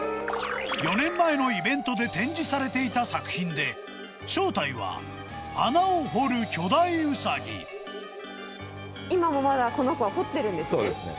４年前のイベントで展示されていた作品で、正体は、今もまだ、この子は掘ってるそうですね。